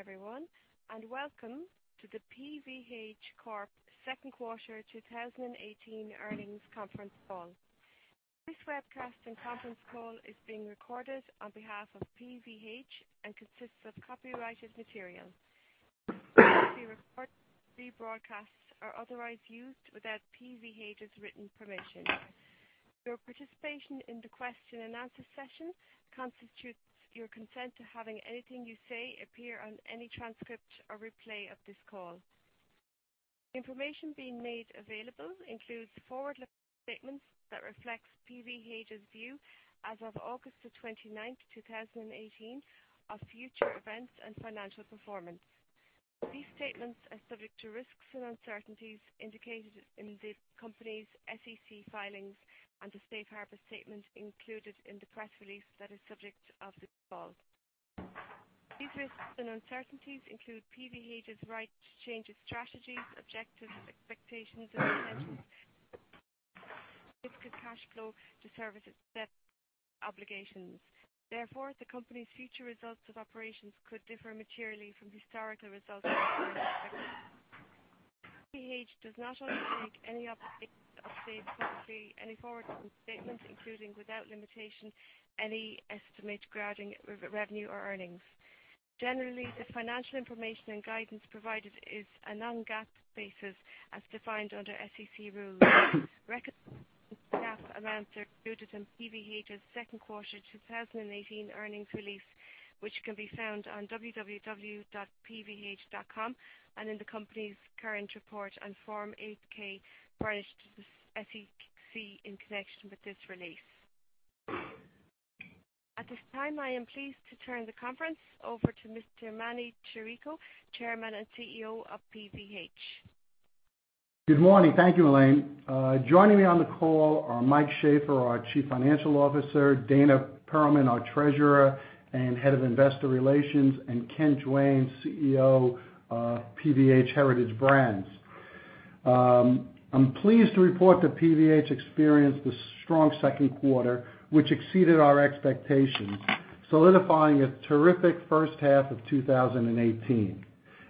Good morning, everyone, and welcome to the PVH Corp. second quarter 2018 earnings conference call. This webcast and conference call is being recorded on behalf of PVH and consists of copyrighted material. Do not report, rebroadcast or otherwise use without PVH's written permission. Your participation in the question and answer session constitutes your consent to having anything you say appear on any transcript or replay of this call. Information being made available includes forward-looking statements that reflects PVH's view as of August the 29th, 2018, of future events and financial performance. These statements are subject to risks and uncertainties indicated in the company's SEC filings and the safe harbor statement included in the press release that is subject of this call. These risks and uncertainties include PVH's right to change its strategies, objectives, expectations, and intentions. Sufficient cash flow to service its debt obligations. Therefore, the company's future results of operations could differ materially from historical results expressed in the presentation. PVH does not undertake any obligation to update any forward-looking statements, including, without limitation, any estimate regarding revenue or earnings. Generally, the financial information and guidance provided is a non-GAAP basis as defined under SEC rules. Reconciled to GAAP amounts are included in PVH's second quarter 2018 earnings release, which can be found on www.pvh.com and in the company's current report on Form 8-K furnished to the SEC in connection with this release. At this time, I am pleased to turn the conference over to Mr. Emanuel Chirico, Chairman and CEO of PVH. Good morning. Thank you, Elaine. Joining me on the call are Mike Shaffer, our Chief Financial Officer, Dana Perlman, our Treasurer and Head of Investor Relations, and Ken Duane, CEO, PVH Heritage Brands. I'm pleased to report that PVH experienced a strong second quarter, which exceeded our expectations, solidifying a terrific first half of 2018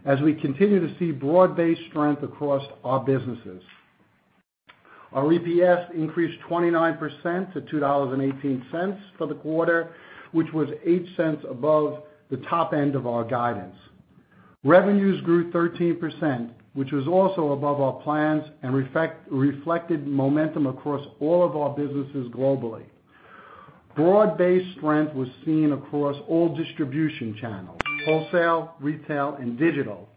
as we continue to see broad-based strength across our businesses. Our EPS increased 29% to $2.18 for the quarter, which was $0.08 above the top end of our guidance. Revenues grew 13%, which was also above our plans and reflected momentum across all of our businesses globally. Broad-based strength was seen across all distribution channels, wholesale, retail, and digital.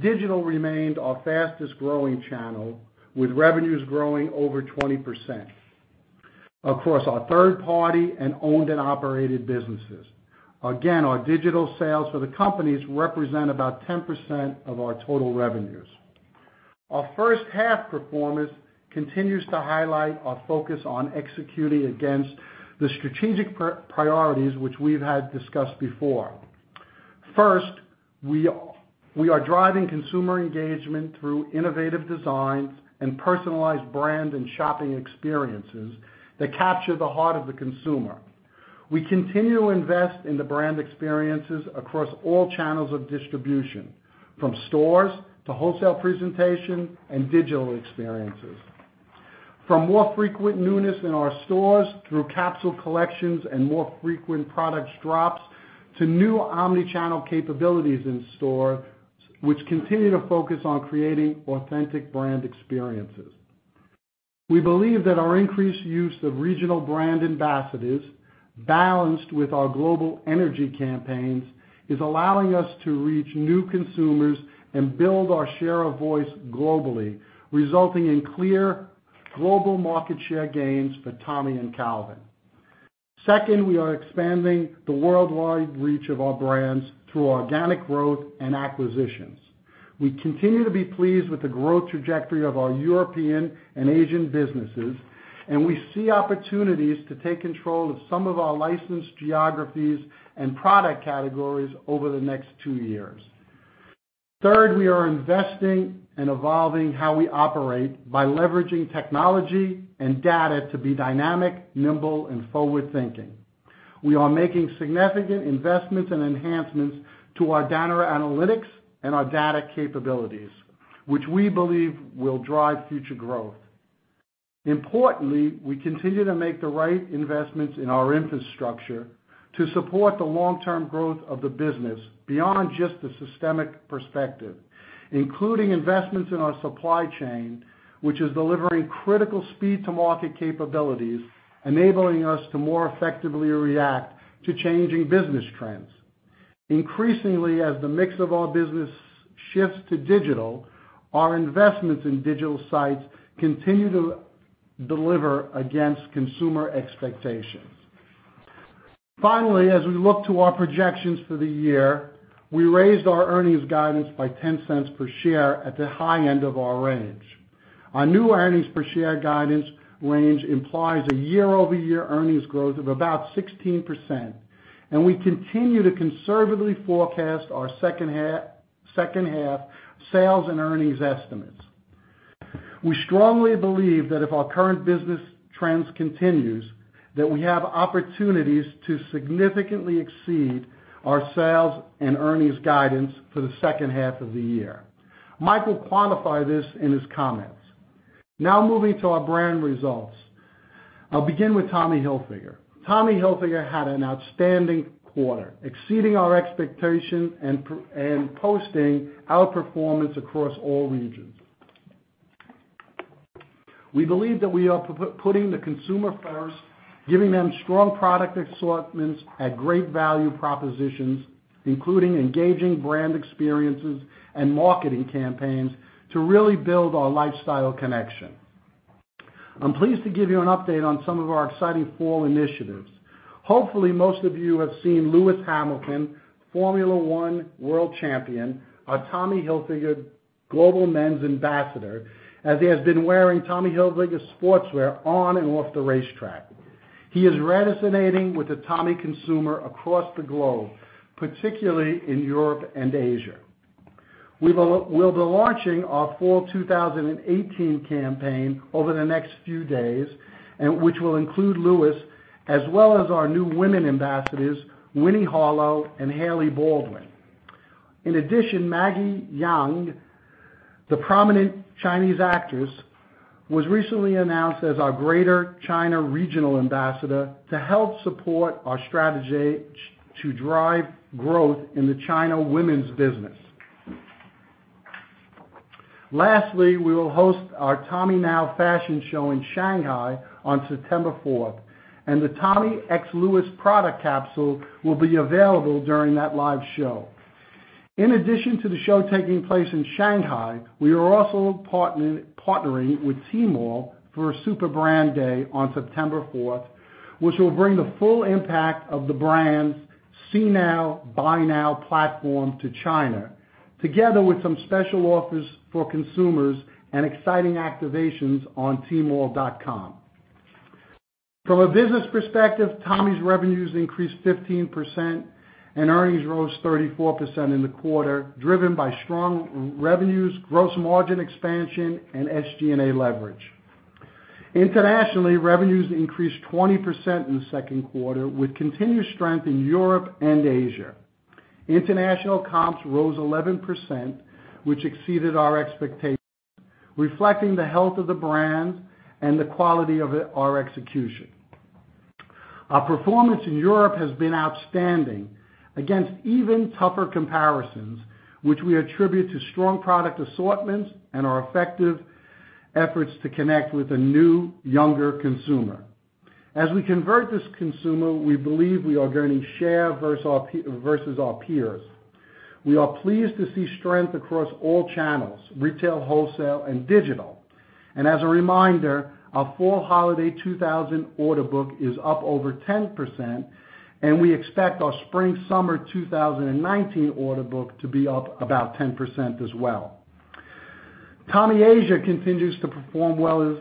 Digital remained our fastest-growing channel, with revenues growing over 20%. Across our third party and owned and operated businesses. Again, our digital sales for the companies represent about 10% of our total revenues. Our first half performance continues to highlight our focus on executing against the strategic priorities which we've had discussed before. First, we are driving consumer engagement through innovative designs and personalized brand and shopping experiences that capture the heart of the consumer. We continue to invest in the brand experiences across all channels of distribution, from stores to wholesale presentation and digital experiences. From more frequent newness in our stores through capsule collections and more frequent products drops, to new omni-channel capabilities in store, which continue to focus on creating authentic brand experiences. We believe that our increased use of regional brand ambassadors, balanced with our global energy campaigns, is allowing us to reach new consumers and build our share of voice globally, resulting in clear global market share gains for Tommy and Calvin. Second, we are expanding the worldwide reach of our brands through organic growth and acquisitions. We continue to be pleased with the growth trajectory of our European and Asian businesses, and we see opportunities to take control of some of our licensed geographies and product categories over the next two years. Third, we are investing and evolving how we operate by leveraging technology and data to be dynamic, nimble, and forward-thinking. We are making significant investments and enhancements to our data analytics and our data capabilities, which we believe will drive future growth. Importantly, we continue to make the right investments in our infrastructure to support the long-term growth of the business beyond just the systemic perspective, including investments in our supply chain, which is delivering critical speed to market capabilities, enabling us to more effectively react to changing business trends. Increasingly, as the mix of our business shifts to digital, our investments in digital sites continue to deliver against consumer expectations. Finally, as we look to our projections for the year, we raised our earnings guidance by $0.10 per share at the high end of our range. Our new earnings per share guidance range implies a year-over-year earnings growth of about 16%, and we continue to conservatively forecast our second half sales and earnings estimates. We strongly believe that if our current business trends continue, that we have opportunities to significantly exceed our sales and earnings guidance for the second half of the year. Mike will quantify this in his comments. Moving to our brand results. I'll begin with Tommy Hilfiger. Tommy Hilfiger had an outstanding quarter, exceeding our expectation and posting outperformance across all regions. We believe that we are putting the consumer first, giving them strong product assortments at great value propositions, including engaging brand experiences and marketing campaigns to really build our lifestyle connection. I'm pleased to give you an update on some of our exciting fall initiatives. Hopefully, most of you have seen Lewis Hamilton, Formula One World Champion, our Tommy Hilfiger Global Men's Ambassador, as he has been wearing Tommy Hilfiger sportswear on and off the racetrack. He is resonating with the Tommy consumer across the globe, particularly in Europe and Asia. We'll be launching our fall 2018 campaign over the next few days, which will include Lewis, as well as our new women ambassadors, Winnie Harlow and Hailey Baldwin. In addition, Maggie Jiang, the prominent Chinese actress, was recently announced as our Greater China Regional Ambassador to help support our strategy to drive growth in the China women's business. Lastly, we will host our TOMMYNOW fashion show in Shanghai on September 4th, and the TommyXLewis product capsule will be available during that live show. In addition to the show taking place in Shanghai, we are also partnering with Tmall for a Tmall Super Brand Day on September 4th, which will bring the full impact of the brand's see now, buy now platform to China, together with some special offers for consumers and exciting activations on Tmall.com. From a business perspective, Tommy's revenues increased 15% and earnings rose 34% in the quarter, driven by strong revenues, gross margin expansion, and SG&A leverage. Internationally, revenues increased 20% in the second quarter with continued strength in Europe and Asia. International comps rose 11%, which exceeded our expectations, reflecting the health of the brand and the quality of our execution. Our performance in Europe has been outstanding against even tougher comparisons, which we attribute to strong product assortments and our effective efforts to connect with a new, younger consumer. As we convert this consumer, we believe we are gaining share versus our peers. We are pleased to see strength across all channels, retail, wholesale, and digital. As a reminder, our fall holiday order book is up over 10%, and we expect our spring/summer 2019 order book to be up about 10% as well. Tommy Asia continues to perform well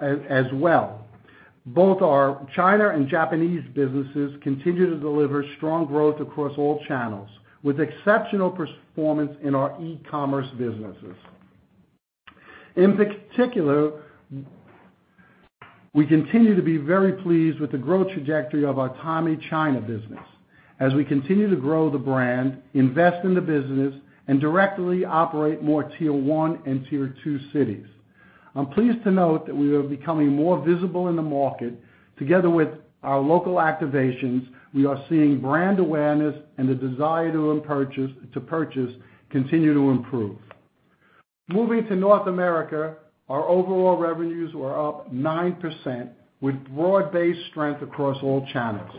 as well. Both our China and Japanese businesses continue to deliver strong growth across all channels, with exceptional performance in our e-commerce businesses. In particular, we continue to be very pleased with the growth trajectory of our Tommy China business as we continue to grow the brand, invest in the business, and directly operate more tier 1 and tier 2 cities. I'm pleased to note that we are becoming more visible in the market. Together with our local activations, we are seeing brand awareness and the desire to purchase continue to improve. Moving to North America, our overall revenues were up 9% with broad-based strength across all channels.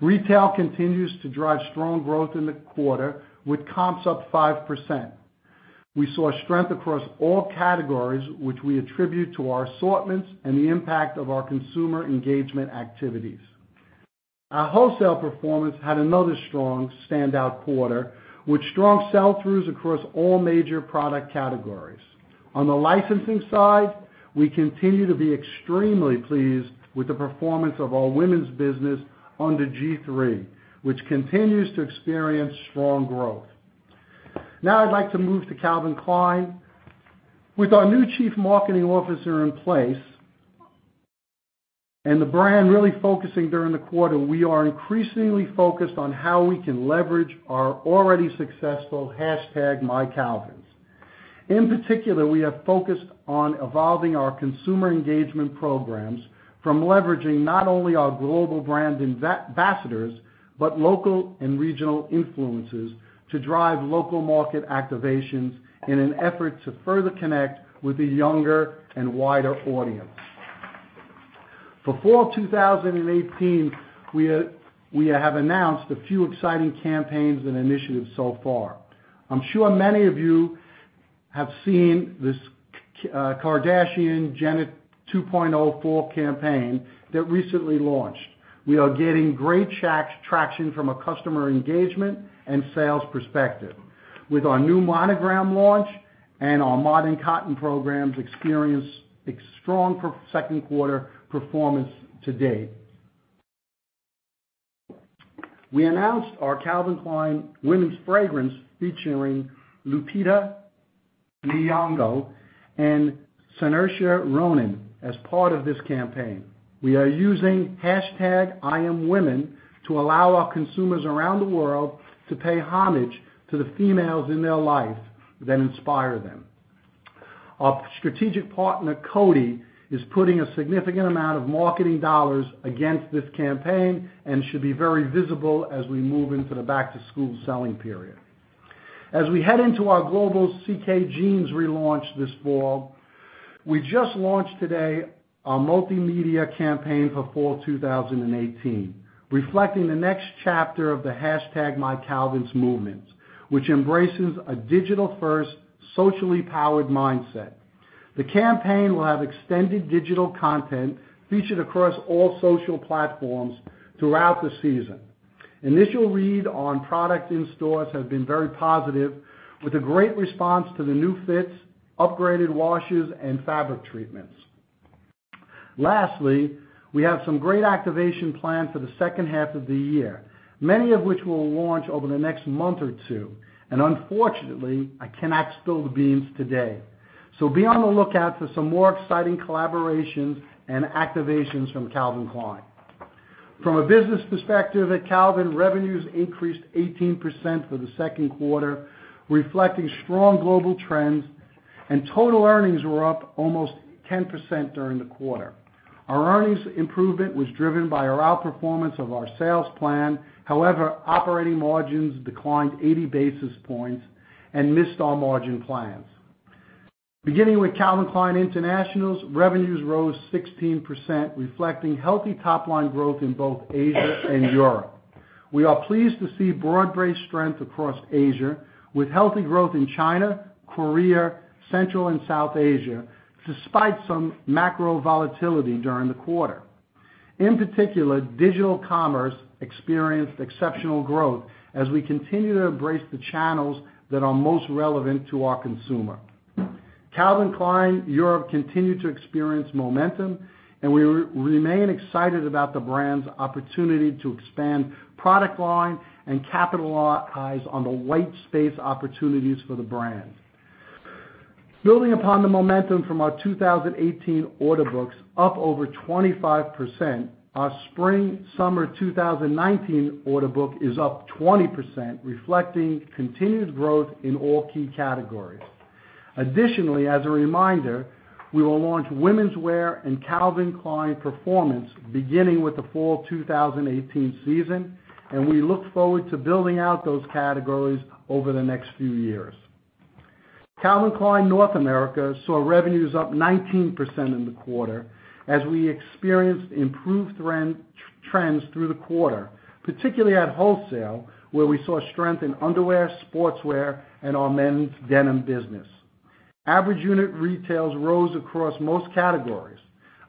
Retail continues to drive strong growth in the quarter with comps up 5%. We saw strength across all categories, which we attribute to our assortments and the impact of our consumer engagement activities. Our wholesale performance had another strong standout quarter with strong sell-throughs across all major product categories. On the licensing side, we continue to be extremely pleased with the performance of our women's business under G-III, which continues to experience strong growth. I'd like to move to Calvin Klein. With our new chief marketing officer in place and the brand really focusing during the quarter, we are increasingly focused on how we can leverage our already successful #mycalvins. In particular, we have focused on evolving our consumer engagement programs from leveraging not only our global brand ambassadors, but local and regional influencers to drive local market activations in an effort to further connect with a younger and wider audience. For fall 2018, we have announced a few exciting campaigns and initiatives so far. I'm sure many of you have seen this Kardashian-Jenner 2.0 fall campaign that recently launched. We are getting great traction from a customer engagement and sales perspective. With our new monogram launch and our modern cotton programs experience strong second quarter performance to date. We announced our Calvin Klein Women fragrance featuring Lupita Nyong'o and Saoirse Ronan as part of this campaign. We are using #IAMWOMEN to allow our consumers around the world to pay homage to the females in their life that inspire them. Our strategic partner, Coty, is putting a significant amount of marketing dollars against this campaign and should be very visible as we move into the back-to-school selling period. As we head into our global CK Jeans relaunch this fall, we just launched today our multimedia campaign for fall 2018, reflecting the next chapter of the #mycalvins movement, which embraces a digital-first, socially powered mindset. The campaign will have extended digital content featured across all social platforms throughout the season. Initial read on product in stores has been very positive, with a great response to the new fits, upgraded washes, and fabric treatments. We have some great activation planned for the second half of the year, many of which will launch over the next month or two. Unfortunately, I cannot spill the beans today. Be on the lookout for some more exciting collaborations and activations from Calvin Klein. From a business perspective at Calvin Klein, revenues increased 18% for the second quarter, reflecting strong global trends, and total earnings were up almost 10% during the quarter. Our earnings improvement was driven by our outperformance of our sales plan. However, operating margins declined 80 basis points and missed our margin plans. Beginning with Calvin Klein International's, revenues rose 16%, reflecting healthy top-line growth in both Asia and Europe. We are pleased to see broad-based strength across Asia, with healthy growth in China, Korea, Central and South Asia, despite some macro volatility during the quarter. In particular, digital commerce experienced exceptional growth as we continue to embrace the channels that are most relevant to our consumer. Calvin Klein Europe continued to experience momentum, and we remain excited about the brand's opportunity to expand product line and capitalize on the white space opportunities for the brand. Building upon the momentum from our 2018 order books, up over 25%, our spring/summer 2019 order book is up 20%, reflecting continued growth in all key categories. Additionally, as a reminder, we will launch womenswear and Calvin Klein Performance beginning with the fall 2018 season, and we look forward to building out those categories over the next few years. Calvin Klein North America saw revenues up 19% in the quarter as we experienced improved trends through the quarter, particularly at wholesale, where we saw strength in underwear, sportswear, and our men's denim business. Average unit retails rose across most categories.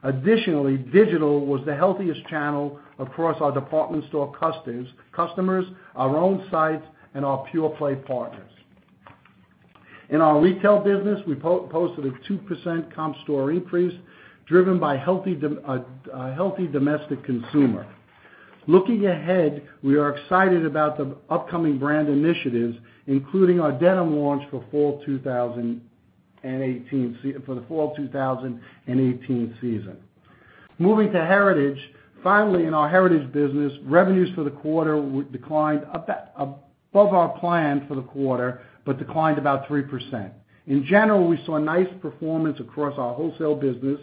Additionally, digital was the healthiest channel across our department store customers, our own sites, and our pure-play partners. In our retail business, we posted a 2% comp store increase, driven by a healthy domestic consumer. Looking ahead, we are excited about the upcoming brand initiatives, including our denim launch for the fall 2018 season. Moving to Heritage. Finally, in our Heritage business, revenues for the quarter declined above our plan for the quarter, but declined about 3%. In general, we saw nice performance across our wholesale business,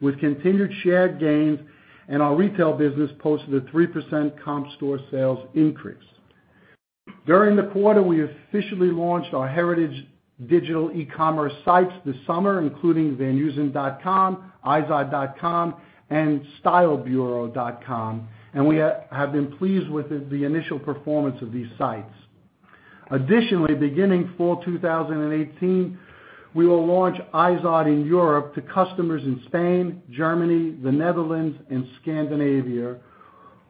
with continued shared gains, and our retail business posted a 3% comp store sales increase. During the quarter, we officially launched our Heritage digital e-commerce sites this summer, including vanheusen.com, izod.com, and stylebureau.com, and we have been pleased with the initial performance of these sites. Additionally, beginning fall 2018, we will launch IZOD in Europe to customers in Spain, Germany, the Netherlands, and Scandinavia,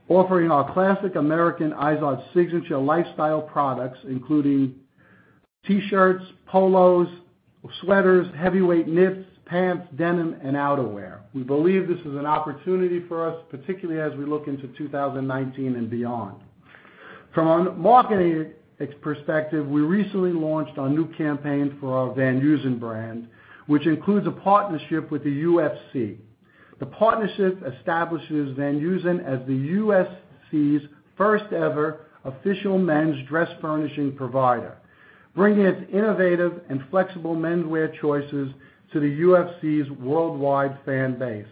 offering our classic American IZOD signature lifestyle products, including T-shirts, polos, sweaters, heavyweight knits, pants, denim, and outerwear. We believe this is an opportunity for us, particularly as we look into 2019 and beyond. From a marketing perspective, we recently launched our new campaign for our Van Heusen brand, which includes a partnership with the UFC. The partnership establishes Van Heusen as the UFC's first ever official men's dress furnishing provider, bringing its innovative and flexible menswear choices to the UFC's worldwide fan base.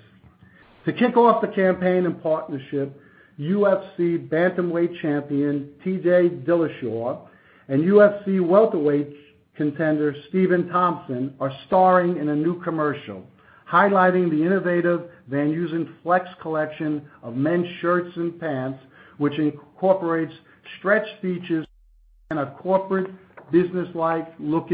To kick off the campaign and partnership, UFC bantamweight champion TJ Dillashaw and UFC welterweight contender Stephen Thompson are starring in a new commercial highlighting the innovative Van Heusen Flex collection of men's shirts and pants, which incorporates stretch features in a corporate business-like look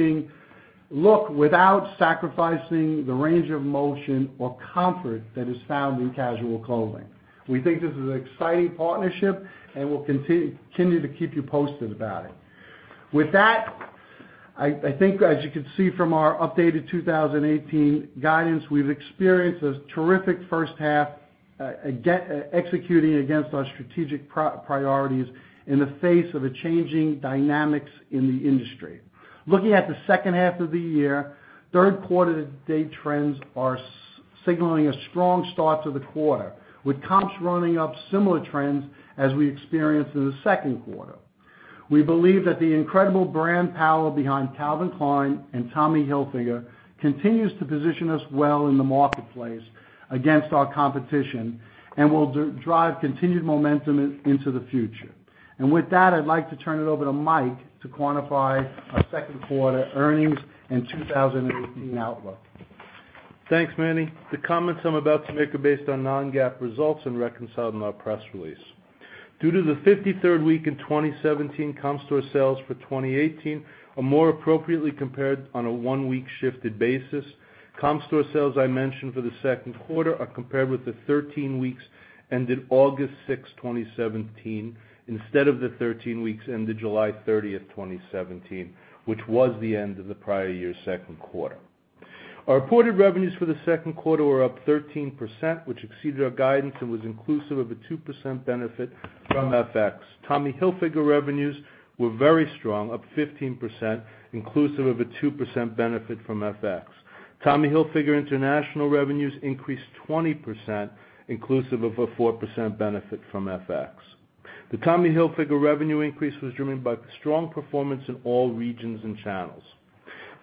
without sacrificing the range of motion or comfort that is found in casual clothing. We think this is an exciting partnership and we'll continue to keep you posted about it. With that, I think as you can see from our updated 2018 guidance, we've experienced a terrific first half executing against our strategic priorities in the face of the changing dynamics in the industry. Looking at the second half of the year, third quarter to date trends are signaling a strong start to the quarter, with comps running up similar trends as we experienced in the second quarter. We believe that the incredible brand power behind Calvin Klein and Tommy Hilfiger continues to position us well in the marketplace against our competition, and will drive continued momentum into the future. With that, I'd like to turn it over to Mike to quantify our second quarter earnings and 2018 outlook. Thanks, Manny. The comments I'm about to make are based on non-GAAP results and reconcile in our press release. Due to the 53rd week in 2017, comp store sales for 2018 are more appropriately compared on a one-week shifted basis. Comp store sales I mentioned for the second quarter are compared with the 13 weeks ended August 6, 2017, instead of the 13 weeks ended July 30, 2017, which was the end of the prior year's second quarter. Our reported revenues for the second quarter were up 13%, which exceeded our guidance and was inclusive of a 2% benefit from FX. Tommy Hilfiger revenues were very strong, up 15%, inclusive of a 2% benefit from FX. Tommy Hilfiger International revenues increased 20%, inclusive of a 4% benefit from FX. The Tommy Hilfiger revenue increase was driven by strong performance in all regions and channels.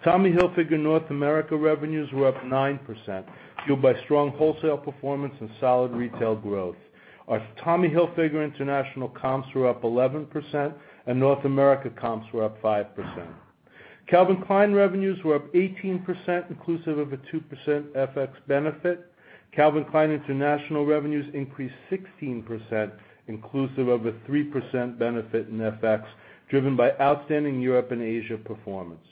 Tommy Hilfiger North America revenues were up 9%, fueled by strong wholesale performance and solid retail growth. Our Tommy Hilfiger International comps were up 11% and North America comps were up 5%. Calvin Klein revenues were up 18%, inclusive of a 2% FX benefit. Calvin Klein International revenues increased 16%, inclusive of a 3% benefit in FX, driven by outstanding Europe and Asia performance.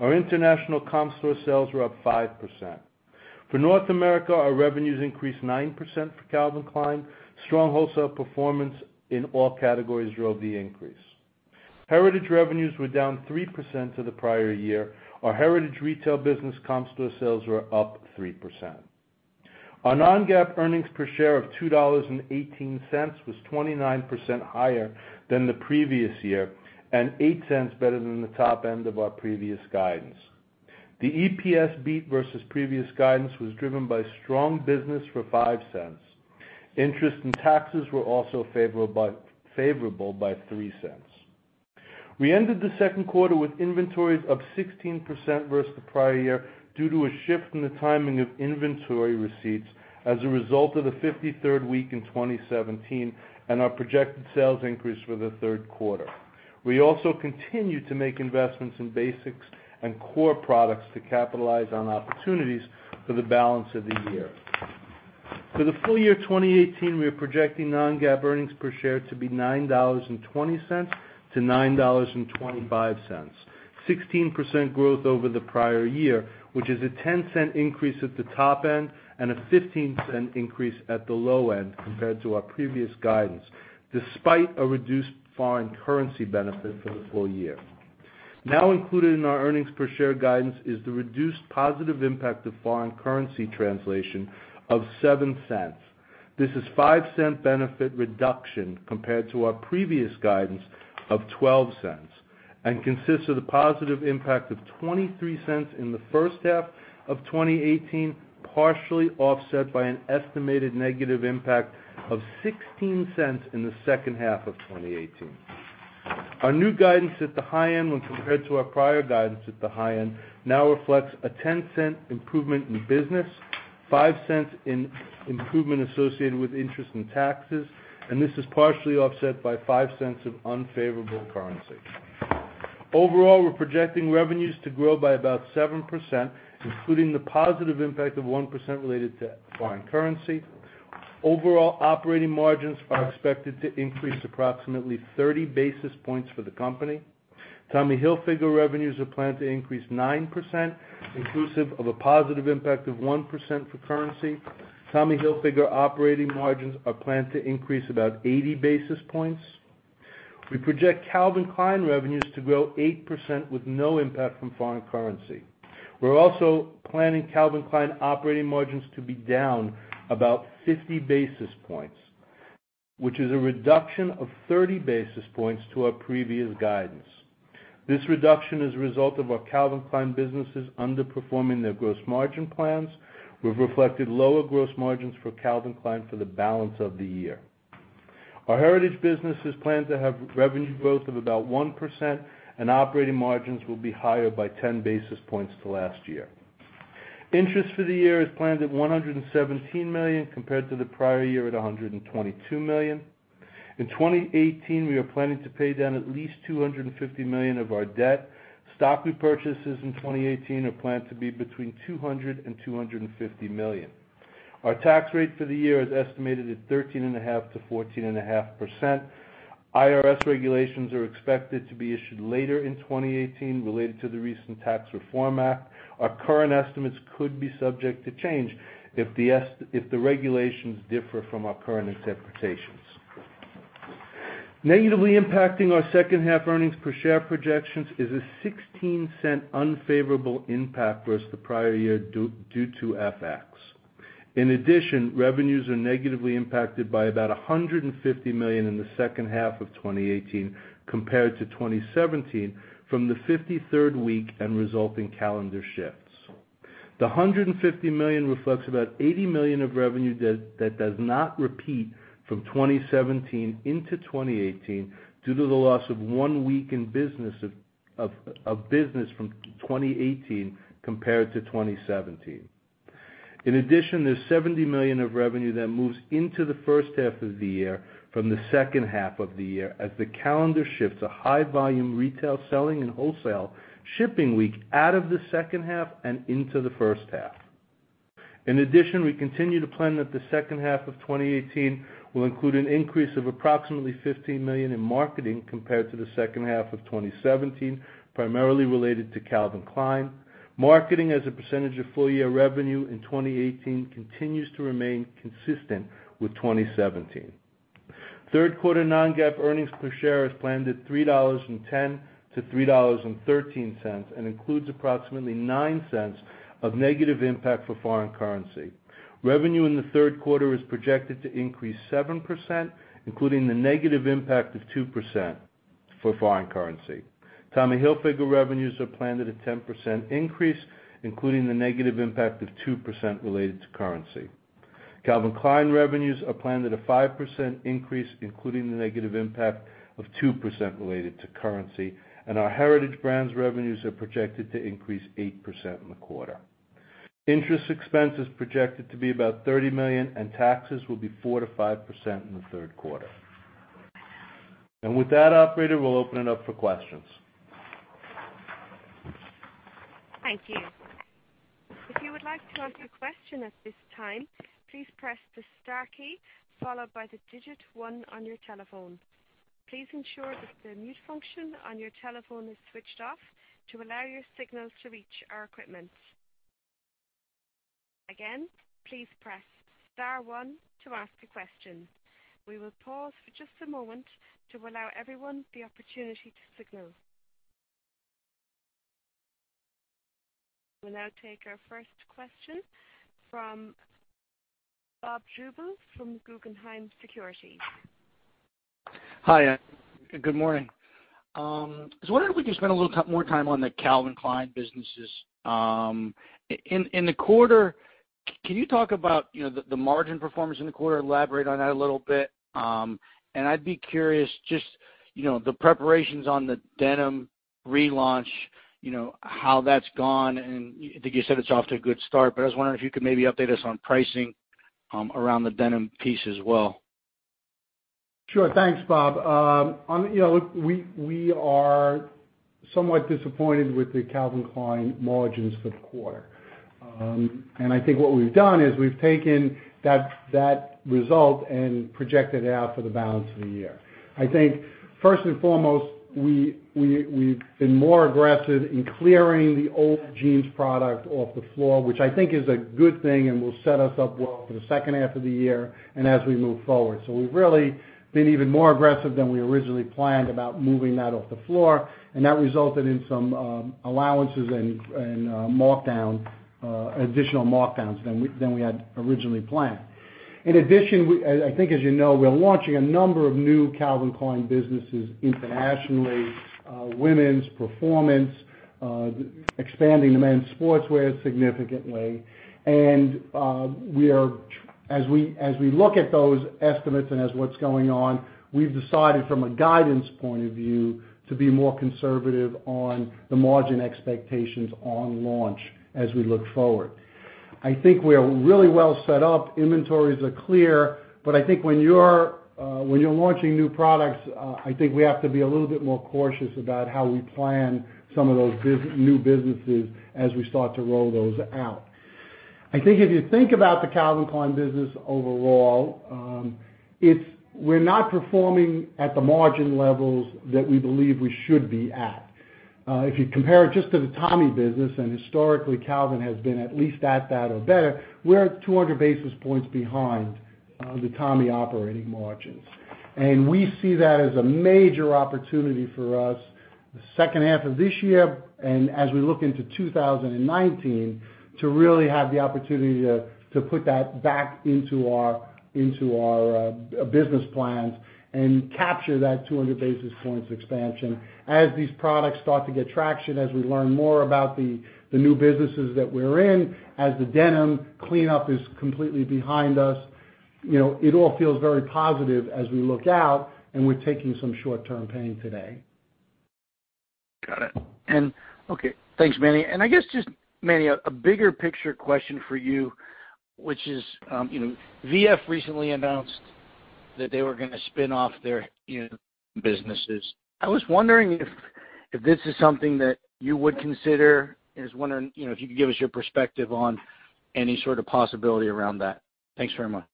Our international comp store sales were up 5%. For North America, our revenues increased 9% for Calvin Klein. Strong wholesale performance in all categories drove the increase. Heritage revenues were down 3% to the prior year. Our Heritage retail business comp store sales were up 3%. Our non-GAAP earnings per share of $2.18 was 29% higher than the previous year, and $0.08 better than the top end of our previous guidance. The EPS beat versus previous guidance was driven by strong business for $0.05. Interest and taxes were also favorable by $0.03. We ended the second quarter with inventories up 16% versus the prior year due to a shift in the timing of inventory receipts as a result of the 53rd week in 2017, and our projected sales increase for the third quarter. We also continue to make investments in basics and core products to capitalize on opportunities for the balance of the year. For the full year 2018, we are projecting non-GAAP earnings per share to be $9.20 to $9.25, 16% growth over the prior year, which is a $0.10 increase at the top end and a $0.15 increase at the low end compared to our previous guidance, despite a reduced foreign currency benefit for the full year. Included in our earnings per share guidance is the reduced positive impact of foreign currency translation of $0.07. This is a $0.05 benefit reduction compared to our previous guidance of $0.12 and consists of the positive impact of $0.23 in the first half of 2018, partially offset by an estimated negative impact of $0.16 in the second half of 2018. Our new guidance at the high end when compared to our prior guidance at the high end, now reflects a $0.10 improvement in business, $0.05 improvement associated with interest and taxes, and this is partially offset by $0.05 of unfavorable currency. Overall, we're projecting revenues to grow by about 7%, including the positive impact of 1% related to foreign currency. Overall operating margins are expected to increase approximately 30 basis points for the company. Tommy Hilfiger revenues are planned to increase 9%, inclusive of a positive impact of 1% for currency. Tommy Hilfiger operating margins are planned to increase about 80 basis points. We project Calvin Klein revenues to grow 8% with no impact from foreign currency. We're also planning Calvin Klein operating margins to be down about 50 basis points, which is a reduction of 30 basis points to our previous guidance. This reduction is a result of our Calvin Klein businesses underperforming their gross margin plans. We've reflected lower gross margins for Calvin Klein for the balance of the year. Our Heritage business is planned to have revenue growth of about 1%, and operating margins will be higher by 10 basis points to last year. Interest for the year is planned at $117 million compared to the prior year at $122 million. In 2018, we are planning to pay down at least $250 million of our debt. Stock repurchases in 2018 are planned to be between $200 and $250 million. Our tax rate for the year is estimated at 13.5% to 14.5%. IRS regulations are expected to be issued later in 2018 related to the recent Tax Reform Act. Our current estimates could be subject to change if the regulations differ from our current interpretations. Negatively impacting our second half earnings per share projections is a $0.16 unfavorable impact versus the prior year due to FX. In addition, revenues are negatively impacted by about $150 million in the second half of 2018 compared to 2017 from the 53rd week and resulting calendar shifts. The $150 million reflects about $80 million of revenue that does not repeat from 2017 into 2018 due to the loss of one week in business from 2018 compared to 2017. In addition, there's $70 million of revenue that moves into the first half of the year from the second half of the year as the calendar shifts a high volume retail selling and wholesale shipping week out of the second half and into the first half. In addition, we continue to plan that the second half of 2018 will include an increase of approximately $15 million in marketing compared to the second half of 2017, primarily related to Calvin Klein. Marketing as a percentage of full-year revenue in 2018 continues to remain consistent with 2017. Third quarter non-GAAP earnings per share is planned at $3.10 to $3.13, and includes approximately $0.09 of negative impact for foreign currency. Revenue in the third quarter is projected to increase 7%, including the negative impact of 2% for foreign currency. Tommy Hilfiger revenues are planned at a 10% increase, including the negative impact of 2% related to currency. Calvin Klein revenues are planned at a 5% increase, including the negative impact of 2% related to currency. Our Heritage Brands revenues are projected to increase 8% in the quarter. Interest expense is projected to be about $30 million, and taxes will be 4%-5% in the third quarter. With that, operator, we'll open it up for questions. Thank you. If you would like to ask a question at this time, please press the star key followed by the digit 1 on your telephone. Please ensure that the mute function on your telephone is switched off to allow your signals to reach our equipment. Again, please press star 1 to ask a question. We will pause for just a moment to allow everyone the opportunity to signal. We'll now take our first question from Bob Drbul from Guggenheim Securities. Hi, good morning. I was wondering if we could spend a little more time on the Calvin Klein businesses. In the quarter, can you talk about the margin performance in the quarter, elaborate on that a little bit? I'd be curious, just the preparations on the denim relaunch, how that's gone. I think you said it's off to a good start, but I was wondering if you could maybe update us on pricing around the denim piece as well. Sure. Thanks, Bob. We are somewhat disappointed with the Calvin Klein margins for the quarter. I think what we've done is we've taken that result and projected out for the balance of the year. I think first and foremost, we've been more aggressive in clearing the old jeans product off the floor, which I think is a good thing and will set us up well for the second half of the year and as we move forward. We've really been even more aggressive than we originally planned about moving that off the floor, and that resulted in some allowances and additional markdowns than we had originally planned. In addition, I think as you know, we're launching a number of new Calvin Klein businesses internationally, Calvin Klein Performance, expanding the men's sportswear significantly. As we look at those estimates and as what's going on, we've decided from a guidance point of view to be more conservative on the margin expectations on launch as we look forward. I think we are really well set up. Inventories are clear. I think when you're launching new products, I think we have to be a little bit more cautious about how we plan some of those new businesses as we start to roll those out. I think if you think about the Calvin Klein business overall, we're not performing at the margin levels that we believe we should be at. If you compare it just to the Tommy business, and historically Calvin has been at least at that or better, we're at 200 basis points behind the Tommy operating margins. We see that as a major opportunity for us the second half of this year and as we look into 2019, to really have the opportunity to put that back into our business plans and capture that 200 basis points expansion. As these products start to get traction, as we learn more about the new businesses that we're in, as the denim cleanup is completely behind us, it all feels very positive as we look out and we're taking some short-term pain today. Got it. Okay, thanks, Manny. I guess just, Manny, a bigger picture question for you, which is, VF recently announced that they were going to spin off their businesses. I was wondering if this is something that you would consider. I was wondering if you could give us your perspective on any sort of possibility around that. Thanks very much.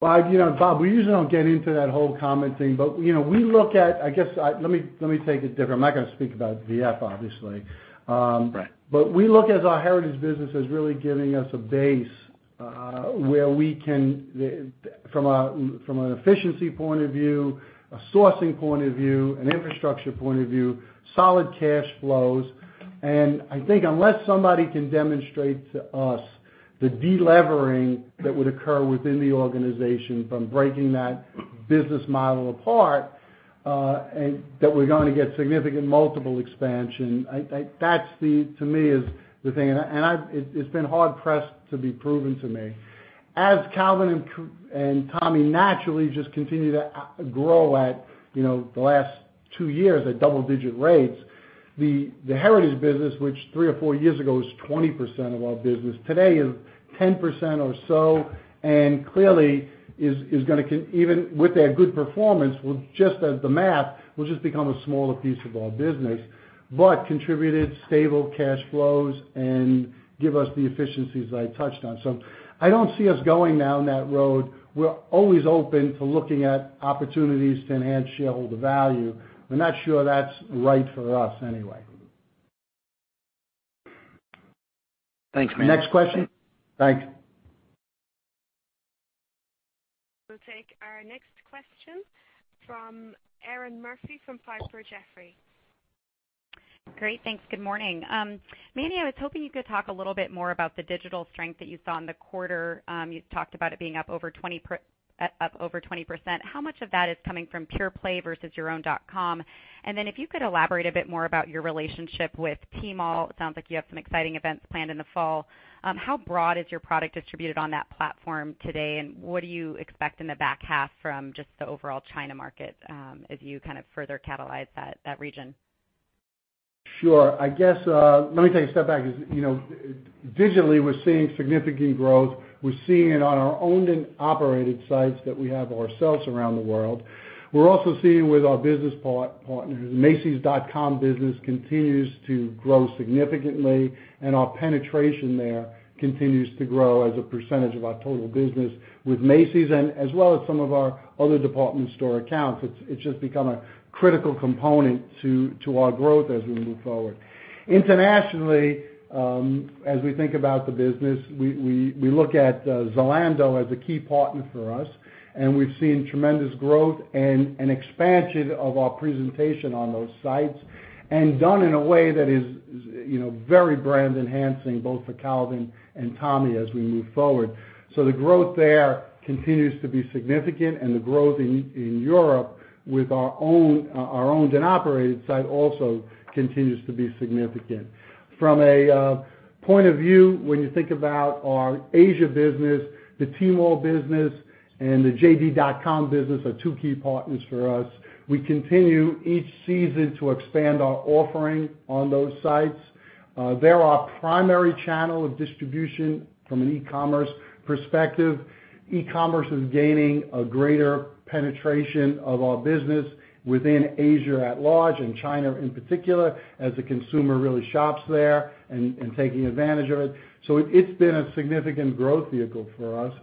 Bob, we usually don't get into that whole comment thing. I guess, let me take it different. I'm not going to speak about VF, obviously. Right. We look at our Heritage Brands as really giving us a base Where we can, from an efficiency point of view, a sourcing point of view, an infrastructure point of view, solid cash flows. I think unless somebody can demonstrate to us the delevering that would occur within the organization from breaking that business model apart, and that we're going to get significant multiple expansion, that to me is the thing. It's been hard-pressed to be proven to me. As Calvin and Tommy naturally just continue to grow at the last 2 years at double-digit rates, the Heritage Brands, which three or four years ago was 20% of our business, today is 10% or so, and clearly, even with that good performance, just as the math, will just become a smaller piece of our business. Contributed stable cash flows and give us the efficiencies that I touched on. I don't see us going down that road. We're always open to looking at opportunities to enhance shareholder value. We're not sure that's right for us anyway. Thanks, Manny. Next question? Thanks. We'll take our next question from Erinn Murphy from Piper Jaffray. Great. Thanks. Good morning. Manny, I was hoping you could talk a little bit more about the digital strength that you saw in the quarter. You talked about it being up over 20%. How much of that is coming from pure play versus your own dotcom? If you could elaborate a bit more about your relationship with Tmall, it sounds like you have some exciting events planned in the fall. How broad is your product distributed on that platform today, and what do you expect in the back half from just the overall China market as you kind of further catalyze that region? Sure. I guess, let me take a step back because digitally, we're seeing significant growth. We're seeing it on our owned and operated sites that we have ourselves around the world. We're also seeing it with our business partners. Macys.com business continues to grow significantly, and our penetration there continues to grow as a percentage of our total business with Macy's as well as some of our other department store accounts. It's just become a critical component to our growth as we move forward. Internationally, as we think about the business, we look at Zalando as a key partner for us, and we've seen tremendous growth and an expansion of our presentation on those sites, and done in a way that is very brand-enhancing, both for Calvin and Tommy as we move forward. The growth there continues to be significant, and the growth in Europe with our owned and operated site also continues to be significant. From a point of view, when you think about our Asia business, the Tmall business and the JD.com business are two key partners for us. We continue each season to expand our offering on those sites. They're our primary channel of distribution from an e-commerce perspective. E-commerce is gaining a greater penetration of our business within Asia at large and China in particular, as the consumer really shops there and taking advantage of it. It's been a significant growth vehicle for us.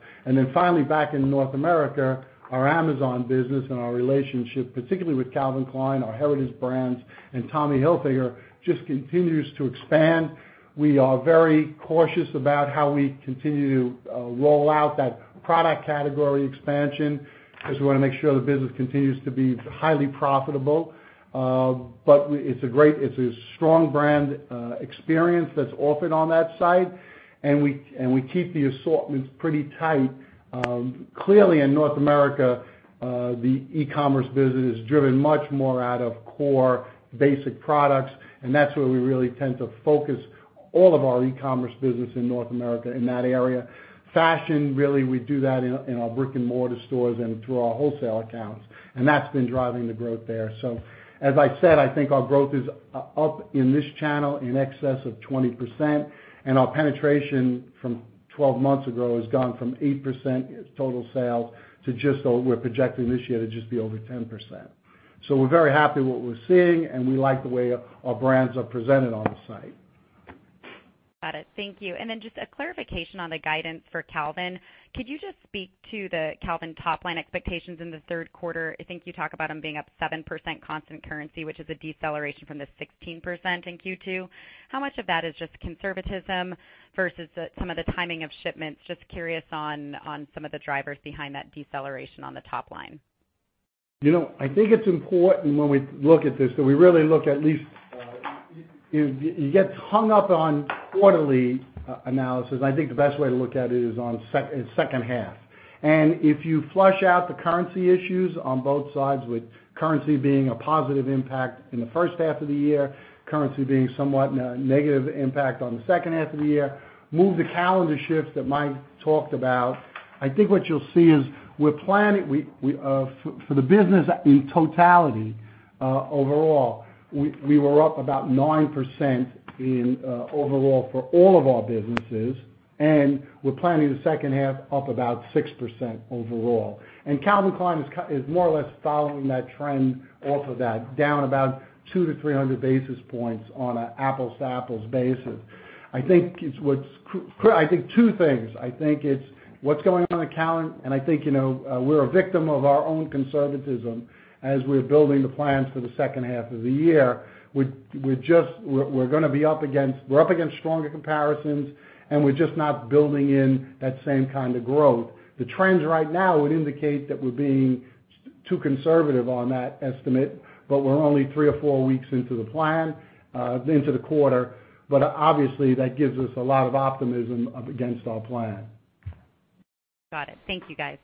Finally, back in North America, our Amazon business and our relationship, particularly with Calvin Klein, our Heritage Brands, and Tommy Hilfiger, just continues to expand. We are very cautious about how we continue to roll out that product category expansion, because we want to make sure the business continues to be highly profitable. It's a strong brand experience that's offered on that site, and we keep the assortments pretty tight. Clearly in North America, the e-commerce business is driven much more out of core basic products, and that's where we really tend to focus all of our e-commerce business in North America in that area. Fashion, really, we do that in our brick and mortar stores and through our wholesale accounts, and that's been driving the growth there. As I said, I think our growth is up in this channel in excess of 20%, and our penetration from 12 months ago has gone from 8% total sales to just, we're projecting this year to just be over 10%. We're very happy with what we're seeing, and we like the way our brands are presented on the site. Got it. Thank you. Just a clarification on the guidance for Calvin. Could you just speak to the Calvin top line expectations in the third quarter? I think you talk about them being up 7% constant currency, which is a deceleration from the 16% in Q2. How much of that is just conservatism versus some of the timing of shipments? Just curious on some of the drivers behind that deceleration on the top line. I think it's important when we look at this, that we really look at least. You get hung up on quarterly analysis, and I think the best way to look at it is on second half. If you flush out the currency issues on both sides, with currency being a positive impact in the first half of the year, currency being somewhat negative impact on the second half of the year, move the calendar shifts that Mike talked about, I think what you'll see is we're planning for the business in totality overall. We were up about 9% in overall for all of our businesses. We're planning the second half up about 6% overall. Calvin Klein is more or less following that trend off of that, down about two to 300 basis points on an apples to apples basis. I think two things. I think it's what's going on with Calvin, I think, we're a victim of our own conservatism as we're building the plans for the second half of the year. We're up against stronger comparisons, we're just not building in that same kind of growth. The trends right now would indicate that we're being too conservative on that estimate, we're only three or four weeks into the plan, into the quarter, obviously that gives us a lot of optimism up against our plan. Got it. Thank you, guys.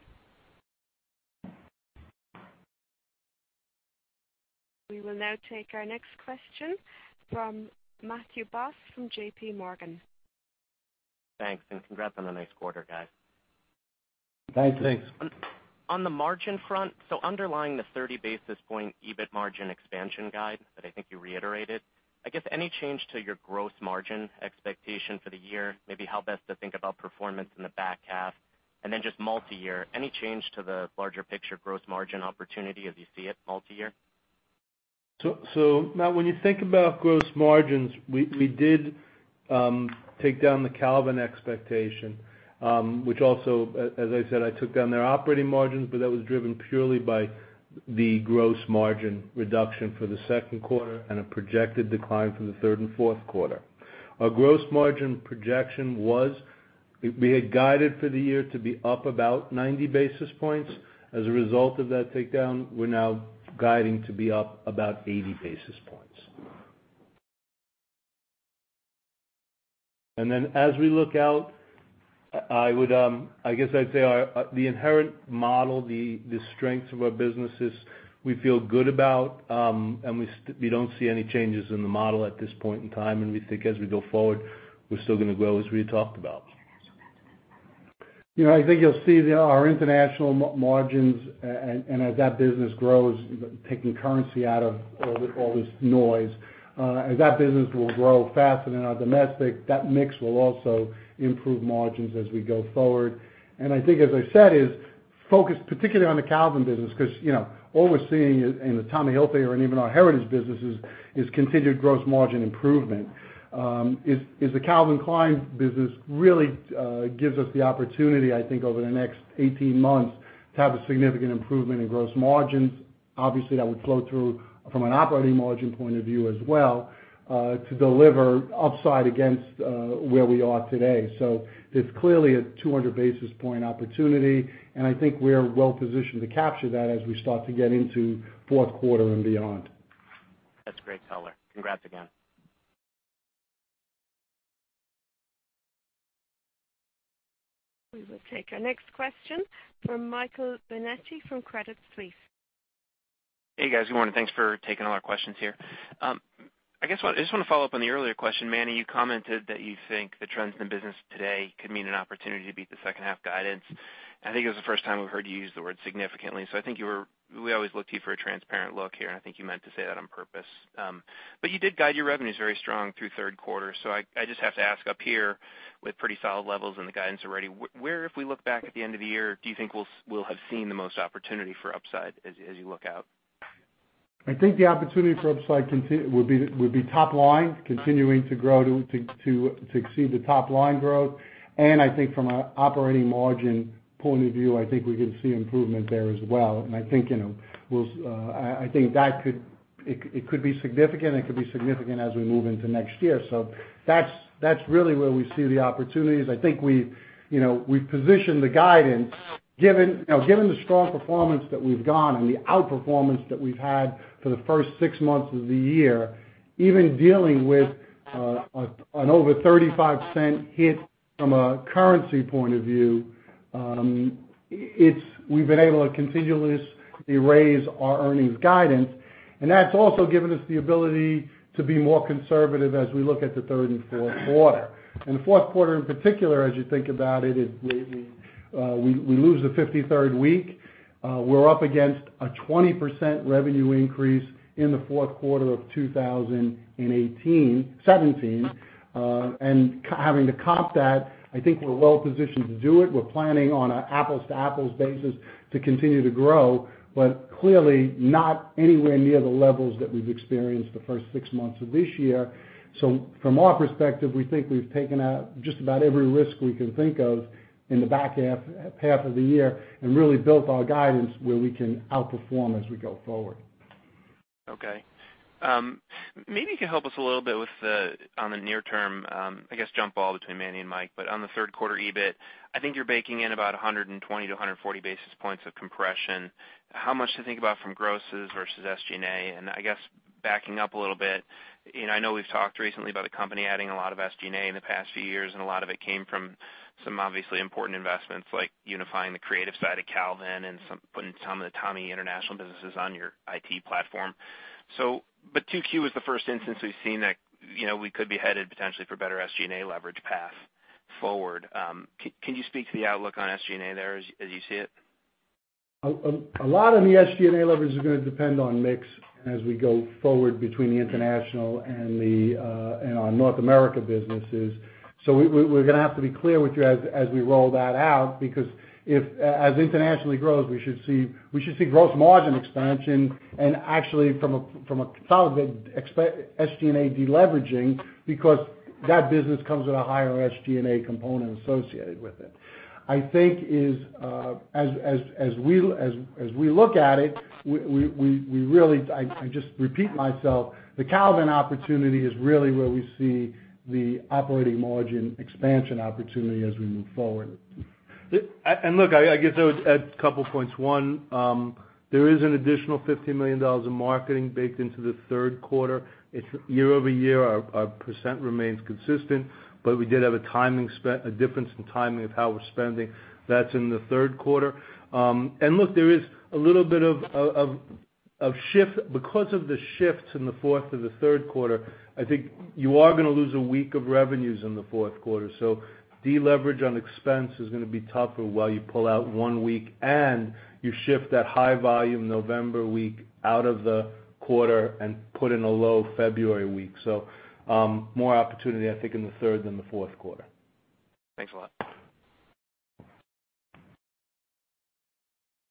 We will now take our next question from Matthew Boss from JPMorgan. Thanks, congrats on a nice quarter, guys. Thanks. Thanks. On the margin front, underlying the 30 basis points EBIT margin expansion guide that I think you reiterated, I guess any change to your gross margin expectation for the year? Maybe how best to think about performance in the back half, then just multi-year, any change to the larger picture gross margin opportunity as you see it multi-year? Matt, when you think about gross margins, we did take down the Calvin expectation, which also, as I said, I took down their operating margins, but that was driven purely by the gross margin reduction for the second quarter and a projected decline for the third and fourth quarter. Our gross margin projection was, we had guided for the year to be up about 90 basis points. As a result of that takedown, we're now guiding to be up about 80 basis points. Then as we look out, I guess I'd say the inherent model, the strengths of our businesses, we feel good about, we don't see any changes in the model at this point in time, we think as we go forward, we're still going to grow as we had talked about. I think you'll see our international margins, and as that business grows, taking currency out of all this noise, as that business will grow faster than our domestic, that mix will also improve margins as we go forward. I think as I said, is focus particularly on the Calvin business because all we're seeing in the Tommy Hilfiger and even our Heritage Brands businesses is continued gross margin improvement. As the Calvin Klein business really gives us the opportunity, I think, over the next 18 months to have a significant improvement in gross margins. Obviously, that would flow through from an operating margin point of view as well, to deliver upside against where we are today. There's clearly a 200 basis points opportunity, I think we're well positioned to capture that as we start to get into fourth quarter and beyond. That's great color. Congrats again. We will take our next question from Michael Binetti from Credit Suisse. Hey, guys. Good morning. Thanks for taking all our questions here. I just want to follow up on the earlier question. Manny, you commented that you think the trends in the business today could mean an opportunity to beat the second half guidance. I think it was the first time we've heard you use the word significantly. I think we always look to you for a transparent look here, and I think you meant to say that on purpose. You did guide your revenues very strong through third quarter. I just have to ask up here with pretty solid levels in the guidance already, where if we look back at the end of the year, do you think we'll have seen the most opportunity for upside as you look out? I think the opportunity for upside would be top line, continuing to grow to exceed the top line growth, and I think from an operating margin point of view, I think we can see improvement there as well. I think that it could be significant. It could be significant as we move into next year. That's really where we see the opportunities. I think we've positioned the guidance. Given the strong performance that we've gone and the outperformance that we've had for the first six months of the year, even dealing with an over $0.35 hit from a currency point of view, we've been able to continuously raise our earnings guidance, and that's also given us the ability to be more conservative as we look at the third and fourth quarter. The fourth quarter in particular, as you think about it, we lose the 53rd week. We're up against a 20% revenue increase in the fourth quarter of 2017. Having to comp that, I think we're well positioned to do it. We're planning on an apples to apples basis to continue to grow, but clearly not anywhere near the levels that we've experienced the first six months of this year. From our perspective, we think we've taken out just about every risk we can think of in the back half of the year and really built our guidance where we can outperform as we go forward. Okay. Maybe you can help us a little bit on the near term, I guess, jump ball between Manny and Mike, but on the third quarter EBIT, I think you're baking in about 120-140 basis points of compression. How much to think about from grosses versus SG&A? I guess backing up a little bit, I know we've talked recently about the company adding a lot of SG&A in the past few years, and a lot of it came from some obviously important investments like unifying the creative side of Calvin and putting some of the Tommy International businesses on your IT platform. 2Q is the first instance we've seen that we could be headed potentially for better SG&A leverage path forward. Can you speak to the outlook on SG&A there as you see it? A lot of the SG&A leverage is going to depend on mix as we go forward between the international and our North America businesses. We're going to have to be clear with you as we roll that out, because as internationally grows, we should see gross margin expansion and actually from a solid SG&A deleveraging, because that business comes with a higher SG&A component associated with it. I think as we look at it, I just repeat myself, the Calvin opportunity is really where we see the operating margin expansion opportunity as we move forward. Look, I guess I would add a couple points. One, there is an additional $50 million in marketing baked into the third quarter. Year-over-year, our % remains consistent, but we did have a difference in timing of how we're spending. That's in the third quarter. Look, because of the shifts in the fourth to the third quarter, I think you are going to lose a week of revenues in the fourth quarter. De-leverage on expense is going to be tougher while you pull out one week and you shift that high volume November week out of the quarter and put in a low February week. More opportunity, I think, in the third than the fourth quarter. Thanks a lot.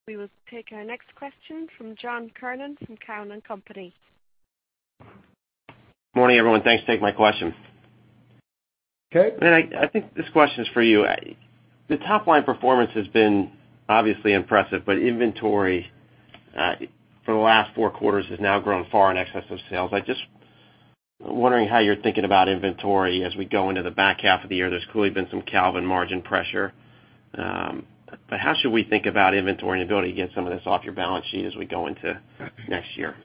We will take our next question from John Kernan from Cowen and Company. Morning, everyone. Thanks for taking my question. Okay. I think this question is for you. The top-line performance has been obviously impressive, but inventory, for the last four quarters, has now grown far in excess of sales. I'm wondering how you're thinking about inventory as we go into the back half of the year. There's clearly been some Calvin margin pressure. How should we think about inventory and the ability to get some of this off your balance sheet as we go into next year?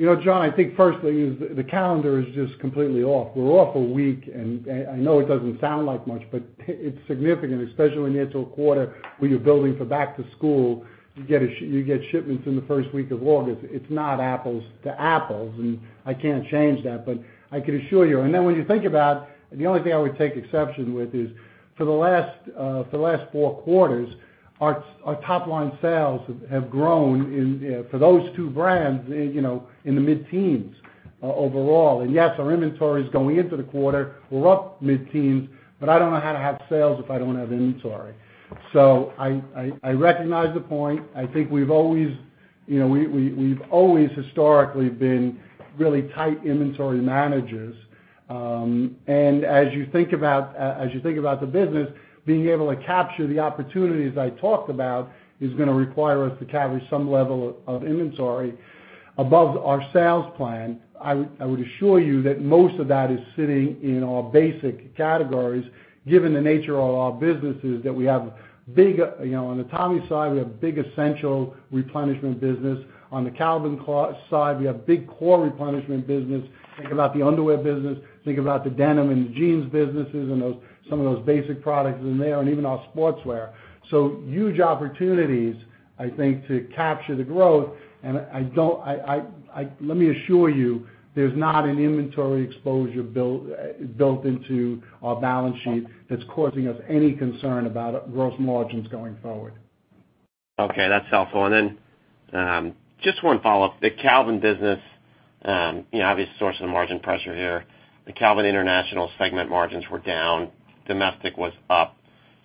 John, I think firstly, the calendar is just completely off. We're off a week, and I know it doesn't sound like much, but it's significant, especially when you're into a quarter where you're building for back to school. You get shipments in the first week of August. It's not apples to apples, and I can't change that, but I can assure you. When you think about, the only thing I would take exception with is, for the last four quarters, our top-line sales have grown, for those two brands, in the mid-teens overall. Yes, our inventory is going into the quarter. We're up mid-teens, but I don't know how to have sales if I don't have inventory. I recognize the point. I think we've always historically been really tight inventory managers. As you think about the business, being able to capture the opportunities I talked about is going to require us to carry some level of inventory above our sales plan. I would assure you that most of that is sitting in our basic categories, given the nature of our businesses, that on the Tommy side, we have big essential replenishment business. On the Calvin side, we have big core replenishment business. Think about the underwear business, think about the denim and the jeans businesses and some of those basic products in there, and even our sportswear. Huge opportunities, I think, to capture the growth, and let me assure you, there's not an inventory exposure built into our balance sheet that's causing us any concern about gross margins going forward. Okay, that's helpful. Just one follow-up. The Calvin business, obvious source of margin pressure here. The Calvin International segment margins were down. Domestic was up.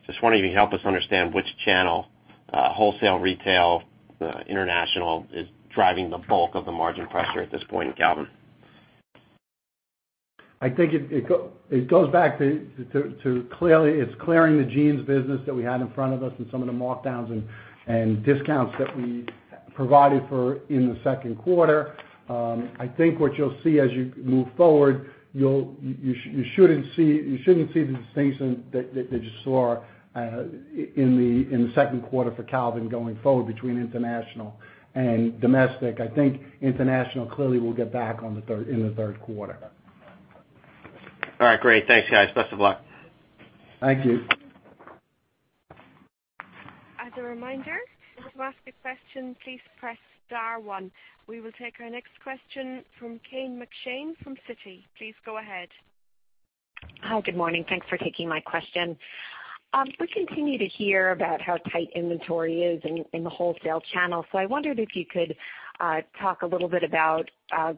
Just wondering if you can help us understand which channel, wholesale, retail, international, is driving the bulk of the margin pressure at this point in Calvin. I think it goes back to it's clearing the jeans business that we had in front of us and some of the markdowns and discounts that we provided for in the second quarter. I think what you'll see as you move forward, you shouldn't see the distinction that you saw in the second quarter for Calvin going forward between international and domestic. I think international clearly will get back in the third quarter. All right, great. Thanks, guys. Best of luck. Thank you. As a reminder, if you want to ask a question, please press star one. We will take our next question from Kate McShane from Citi. Please go ahead. Hi. Good morning. Thanks for taking my question. We continue to hear about how tight inventory is in the wholesale channel. I wondered if you could talk a little bit about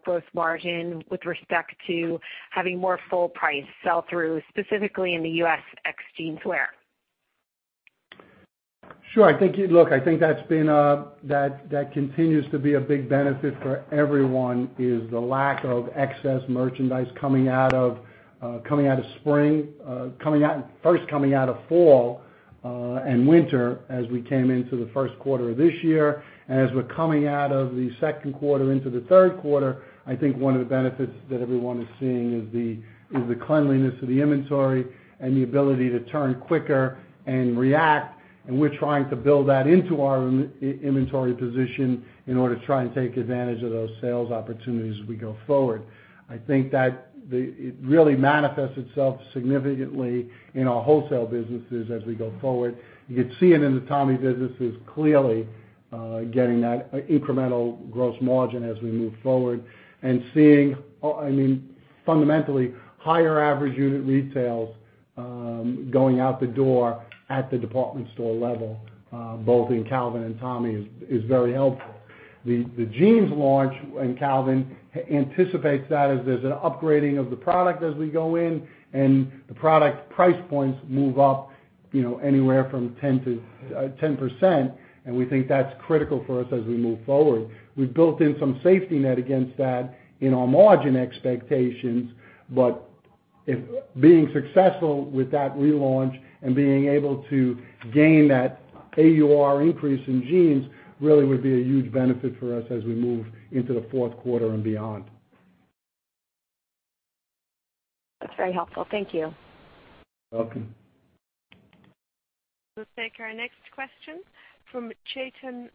gross margin with respect to having more full price sell-through, specifically in the U.S. ex-jeans wear. Sure. Look, I think that continues to be a big benefit for everyone, is the lack of excess merchandise coming out of spring. First, coming out of fall and winter as we came into the first quarter of this year, as we're coming out of the second quarter into the third quarter, I think one of the benefits that everyone is seeing is the cleanliness of the inventory and the ability to turn quicker and react. We're trying to build that into our inventory position in order to try and take advantage of those sales opportunities as we go forward. I think that it really manifests itself significantly in our wholesale businesses as we go forward. You could see it in the Tommy businesses, clearly, getting that incremental gross margin as we move forward. Seeing, fundamentally, higher average unit retails going out the door at the department store level, both in Calvin and Tommy, is very helpful. The jeans launch in Calvin anticipates that as there's an upgrading of the product as we go in, and the product price points move up anywhere from 10%. We think that's critical for us as we move forward. We've built in some safety net against that in our margin expectations, but being successful with that relaunch and being able to gain that AUR increase in jeans really would be a huge benefit for us as we move into the fourth quarter and beyond. That's very helpful. Thank you. Welcome. We'll take our next question from Chetan Udeshi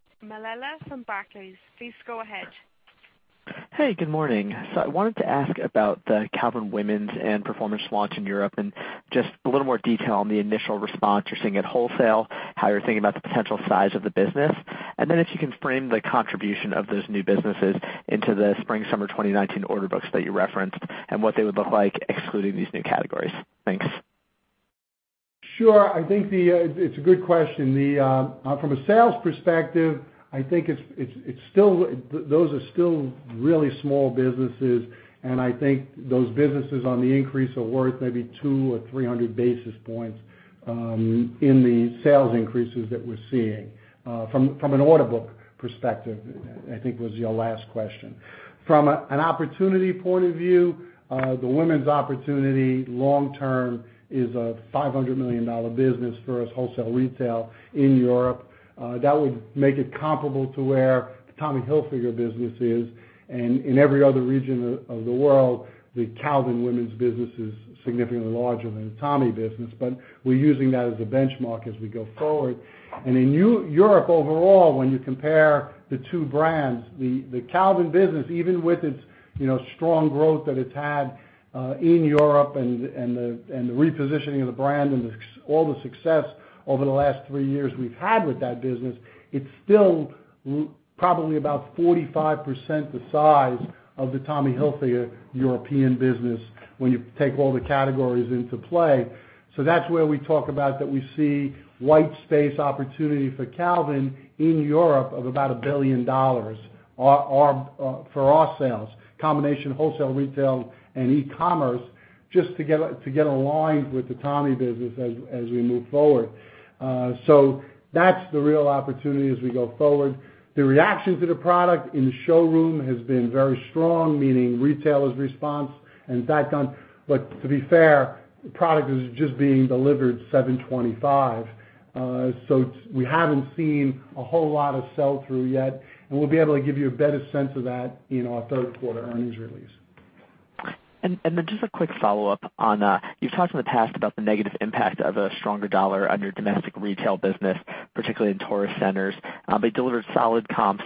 from Barclays. Please go ahead. I wanted to ask about the Calvin women's and performance launch in Europe, and just a little more detail on the initial response you're seeing at wholesale, how you're thinking about the potential size of the business, and then if you can frame the contribution of those new businesses into the spring/summer 2019 order books that you referenced and what they would look like excluding these new categories. Thanks. Sure. I think it's a good question. From a sales perspective, I think those are still really small businesses, and I think those businesses on the increase are worth maybe 200 or 300 basis points, in the sales increases that we're seeing. From an order book perspective, I think was your last question. From an opportunity point of view, the women's opportunity long term is a $500 million business for us, wholesale, retail in Europe. That would make it comparable to where the Tommy Hilfiger business is. In every other region of the world, the Calvin women's business is significantly larger than the Tommy business. We're using that as a benchmark as we go forward. In Europe overall, when you compare the two brands, the Calvin business, even with its strong growth that it's had, in Europe and the repositioning of the brand and all the success over the last three years we've had with that business, it's still probably about 45% the size of the Tommy Hilfiger European business when you take all the categories into play. That's where we talk about that we see white space opportunity for Calvin in Europe of about $1 billion for our sales, combination wholesale, retail and e-commerce just to get aligned with the Tommy business as we move forward. That's the real opportunity as we go forward. The reaction to the product in the showroom has been very strong, meaning retailers' response and factored in. To be fair, the product is just being delivered 7/25. We haven't seen a whole lot of sell-through yet, and we'll be able to give you a better sense of that in our third quarter earnings release. Just a quick follow-up on, you've talked in the past about the negative impact of a stronger dollar on your domestic retail business, particularly in tourist centers. You delivered solid comps,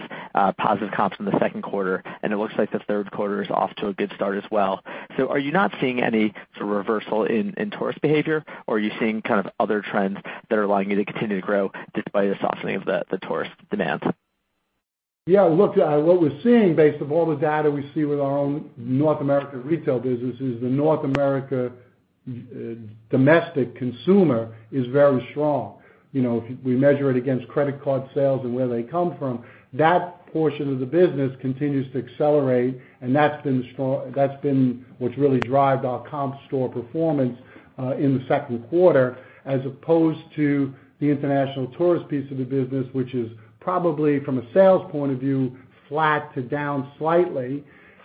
positive comps in the second quarter, and it looks like the third quarter is off to a good start as well. Are you not seeing any sort of reversal in tourist behavior, or are you seeing other trends that are allowing you to continue to grow despite the softening of the tourist demand? Yeah, look, what we're seeing based of all the data we see with our own North American retail business is the North America domestic consumer is very strong. We measure it against credit card sales and where they come from. That portion of the business continues to accelerate, and that's been what's really driven our comp store performance in the second quarter, as opposed to the international tourist piece of the business, which is probably, from a sales point of view, flat to down slightly.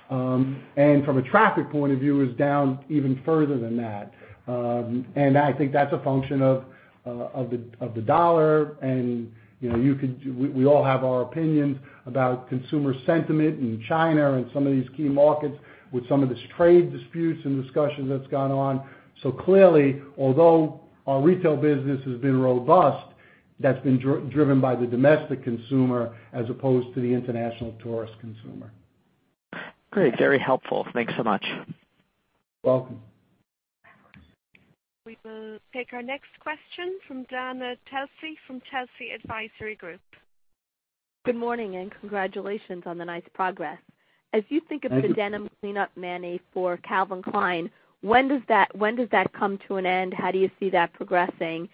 From a traffic point of view, is down even further than that. I think that's a function of the dollar. We all have our opinions about consumer sentiment in China and some of these key markets with some of this trade disputes and discussions that's gone on. Clearly, although our retail business has been robust, that's been driven by the domestic consumer as opposed to the international tourist consumer. Great. Very helpful. Thanks so much. Welcome. We will take our next question from Dana Telsey from Telsey Advisory Group. Good morning, congratulations on the nice progress. Thank you. As you think about the denim cleanup Emanuel for Calvin Klein, when does that come to an end? How do you see that progressing?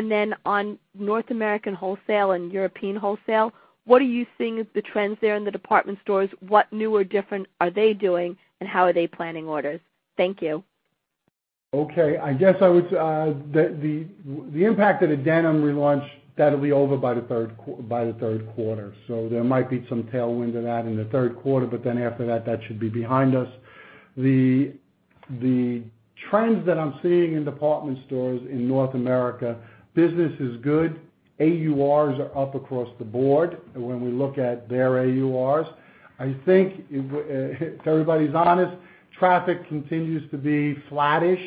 Then on North American wholesale and European wholesale, what are you seeing as the trends there in the department stores? What new or different are they doing, and how are they planning orders? Thank you. Okay. I guess the impact of the denim relaunch, that'll be over by the third quarter. There might be some tailwind to that in the third quarter. After that should be behind us. The trends that I'm seeing in department stores in North America, business is good. AURs are up across the board, when we look at their AURs. I think if everybody's honest, traffic continues to be flattish.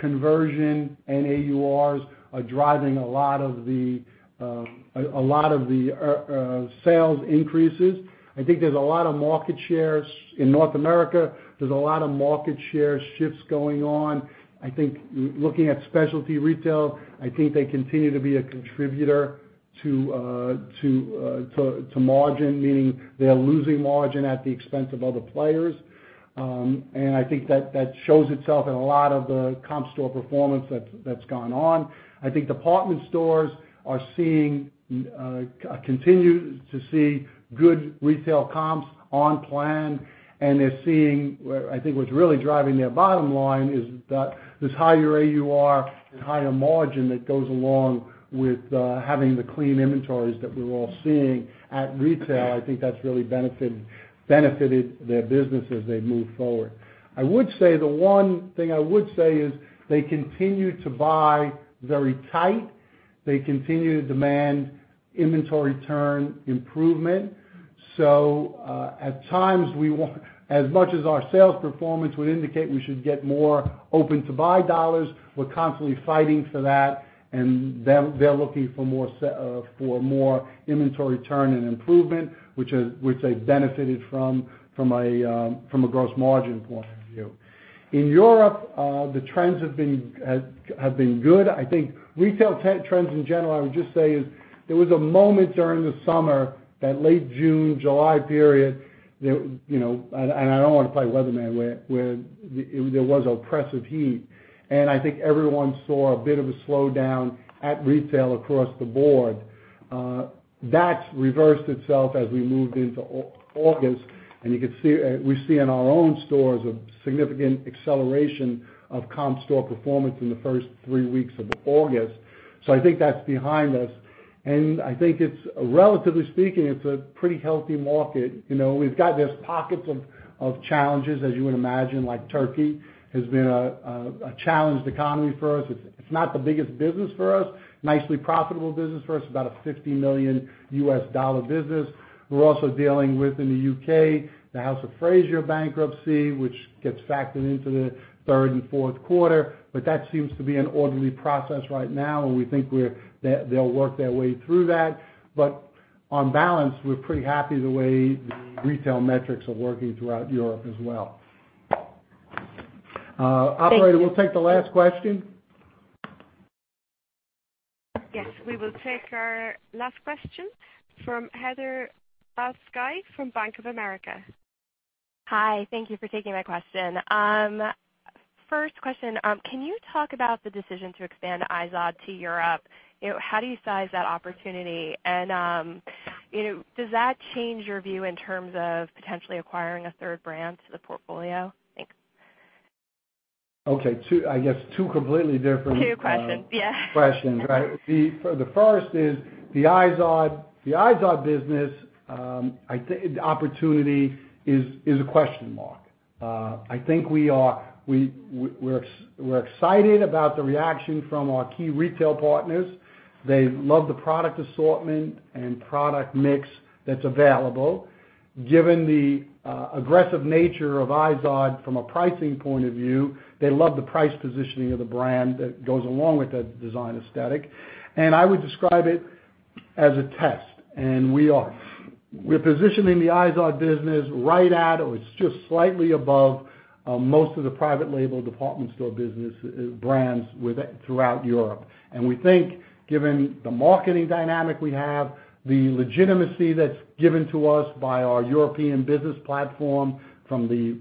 Conversion and AURs are driving a lot of the sales increases. I think there's a lot of market shares in North America. There's a lot of market share shifts going on. I think looking at specialty retail, I think they continue to be a contributor to margin, meaning they're losing margin at the expense of other players. I think that shows itself in a lot of the comp store performance that's gone on. I think department stores continue to see good retail comps on plan. I think what's really driving their bottom line is that this higher AUR and higher margin that goes along with having the clean inventories that we're all seeing at retail, I think that's really benefited their business as they move forward. The one thing I would say is they continue to buy very tight. They continue to demand inventory turn improvement. At times, as much as our sales performance would indicate we should get more open-to-buy dollars, we're constantly fighting for that. They're looking for more inventory turn and improvement, which they benefited from a gross margin point of view. In Europe, the trends have been good. I think retail trends in general, I would just say, is there was a moment during the summer, that late June, July period. I don't want to play weatherman, where there was oppressive heat, and I think everyone saw a bit of a slowdown at retail across the board. That's reversed itself as we moved into August. We see in our own stores a significant acceleration of comp store performance in the first three weeks of August. I think that's behind us. I think, relatively speaking, it's a pretty healthy market. There's pockets of challenges, as you would imagine, like Turkey has been a challenged economy for us. It's not the biggest business for us. Nicely profitable business for us, about a $50 million U.S. business. We're also dealing with, in the U.K., the House of Fraser bankruptcy, which gets factored into the third and fourth quarter. That seems to be an orderly process right now, and we think they'll work their way through that. On balance, we're pretty happy the way the retail metrics are working throughout Europe as well. Thank you. Operator, we'll take the last question. Yes, we will take our last question from Heather Balsky from Bank of America. Hi. Thank you for taking my question. First question, can you talk about the decision to expand IZOD to Europe? How do you size that opportunity? Does that change your view in terms of potentially acquiring a third brand to the portfolio? Thanks. Okay. I guess two completely different- Two questions, yeah. questions, right? The first is the IZOD business. I think the opportunity is a question mark. I think we're excited about the reaction from our key retail partners. They love the product assortment and product mix that's available. Given the aggressive nature of IZOD from a pricing point of view, they love the price positioning of the brand that goes along with that design aesthetic, and I would describe it as a test, and we are. We're positioning the IZOD business right at, or it's just slightly above, most of the private label department store business brands throughout Europe. We think, given the marketing dynamic we have, the legitimacy that's given to us by our European business platform from the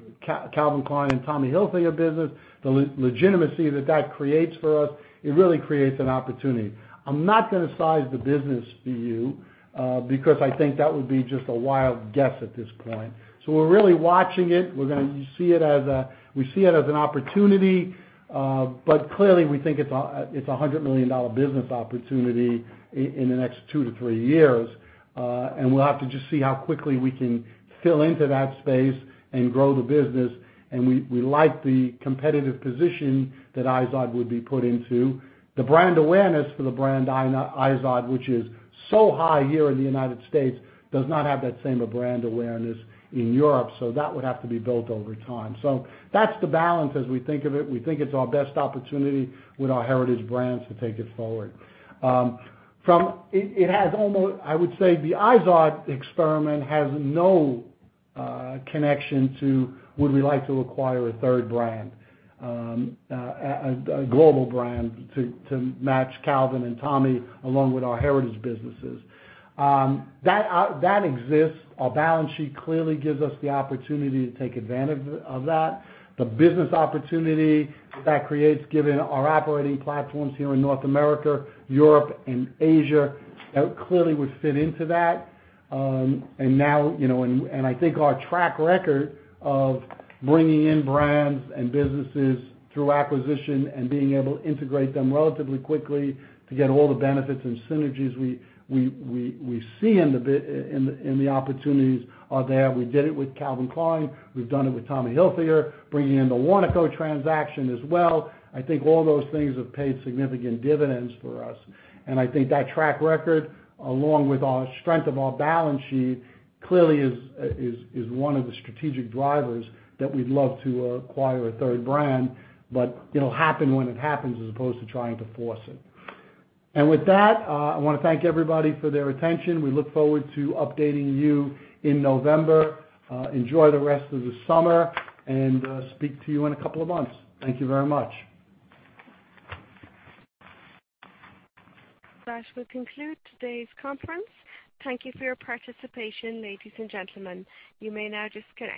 Calvin Klein and Tommy Hilfiger business, the legitimacy that that creates for us, it really creates an opportunity. I'm not gonna size the business for you, because I think that would be just a wild guess at this point. We're really watching it. We see it as an opportunity, but clearly, we think it's a $100 million business opportunity in the next two to three years. We'll have to just see how quickly we can fill into that space and grow the business, and we like the competitive position that IZOD would be put into. The brand awareness for the brand, IZOD, which is so high here in the United States, does not have that same brand awareness in Europe. That would have to be built over time. That's the balance as we think of it. We think it's our best opportunity with our Heritage Brands to take it forward. I would say the IZOD experiment has no connection to, would we like to acquire a third brand, a global brand, to match Calvin and Tommy along with our Heritage Brands. That exists. Our balance sheet clearly gives us the opportunity to take advantage of that. The business opportunity that creates, given our operating platforms here in North America, Europe, and Asia, clearly would fit into that. I think our track record of bringing in brands and businesses through acquisition and being able to integrate them relatively quickly to get all the benefits and synergies we see in the opportunities are there. We did it with Calvin Klein. We've done it with Tommy Hilfiger, bringing in the Warnaco transaction as well. I think all those things have paid significant dividends for us. I think that track record, along with our strength of our balance sheet, clearly is one of the strategic drivers that we'd love to acquire a third brand. It'll happen when it happens as opposed to trying to force it. With that, I want to thank everybody for their attention. We look forward to updating you in November. Enjoy the rest of the summer and speak to you in a couple of months. Thank you very much. That will conclude today's conference. Thank you for your participation, ladies and gentlemen. You may now disconnect.